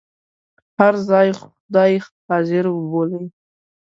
هر ځای خدای حاضر وبولئ.